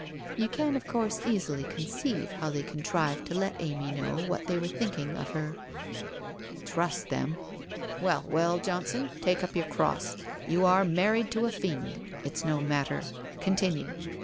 You can, of course, easily conceive how they con trived to let Amy know what they were thinking of her?' ' Trust them ! Well, well, Johnson, take up your cross. You are married to a fiend. It's no matter. Continue.